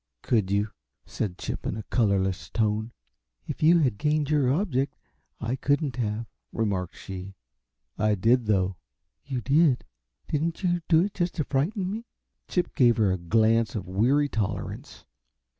"Could you?" said Chip, in a colorless tone. "If you had gained your object, I couldn't have," remarked she. "I did, though." "You did? Didn't you do it just to frighten me?" Chip gave her a glance of weary tolerance.